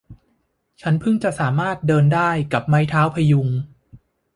ฉันเพิ่งจะสามารถเดินได้กับไม้เท้าพยุง